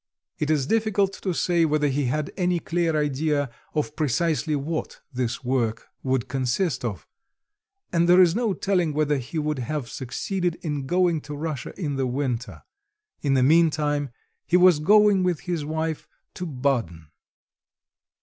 It is difficult to say whether he had any clear idea of precisely what this work would consist of; and there is no telling whether he would have succeeded in going to Russia in the winter; in the meantime, he was going with his wife to Baden..